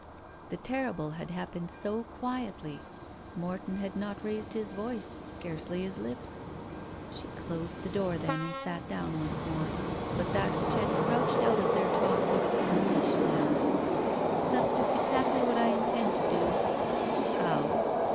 The terrible had happened so quietly. Morton had not raised his voice; scarcely his lips. She clo^ the door then and sat down once more, but that which had crouched out of their talk was unleashed now. "That's just exactly what I intend to do." "How?"